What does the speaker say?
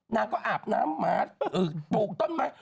นางก็อาบน้ำหมาปลูกต้นไม้